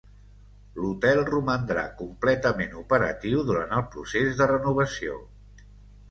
L'hotel romandrà completament operatiu durant el procés de renovació.